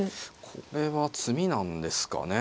これは詰みなんですかね。